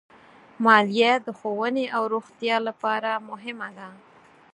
مالیه د ښوونې او روغتیا لپاره مهمه ده.